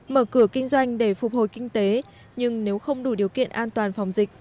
mở cửa kinh doanh để phục hồi kinh tế nhưng nếu không đủ điều kiện an toàn phòng dịch